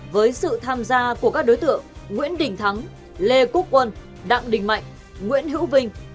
với sự tham gia của các đối tượng nguyễn đình thắng lê quốc quân đặng đình mạnh nguyễn hữu vinh